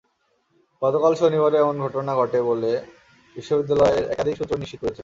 গতকাল শনিবারও এমন ঘটনা ঘটে বলে বিশ্ববিদ্যালয়ের একাধিক সূত্র নিশ্চিত করেছে।